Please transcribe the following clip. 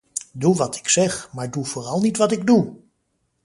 Doe wat ik zeg, maar doe vooral niet wat ik doe!